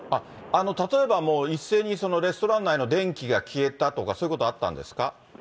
例えば、もう一斉にレストラン街の電気が消えたとかそういうことあったんですか？